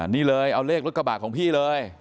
นี่เลยเอาเลขรถกระบะของพี่เลย